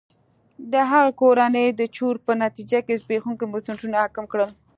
د هغه کورنۍ د چور په نتیجه کې زبېښونکي بنسټونه حاکم کړل.